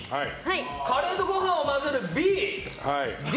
カレーとご飯を混ぜてから食べるＢ。